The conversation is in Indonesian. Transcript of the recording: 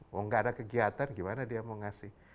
mau nggak ada kegiatan gimana dia mau ngasih